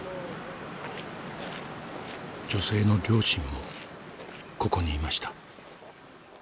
女性の両親もここにいました。